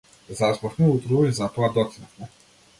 Заспавме утрово и затоа доцневме.